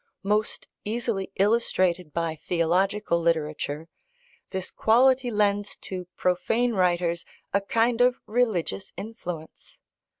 Most easily illustrated by theological literature, this quality lends to profane writers a kind of religious influence.